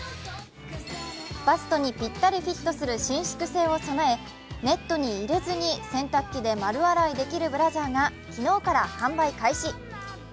バストにピッタリフィットする伸縮性を備えネットに入れずに洗濯機で丸洗いできるブラジャーが昨日から販売開始。